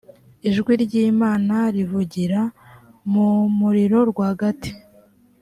ijwi ry’imana rivugira mu muriro rwagati